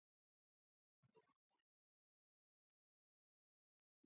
افغانستان د کلیو د ترویج لپاره پروګرامونه لري.